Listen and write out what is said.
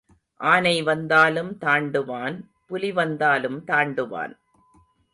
ஆனை வந்தாலும் தாண்டுவான் புலி வந்தாலும் தாண்டுவான்.